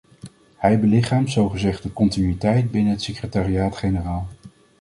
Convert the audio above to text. Hij belichaamt zogezegd de continuïteit binnen het secretariaat-generaal.